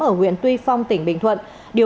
ở huyện tuy phong tỉnh bình thuận